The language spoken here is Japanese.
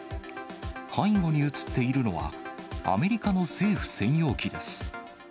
背後に写っているのは、アメリカの政府専用機です。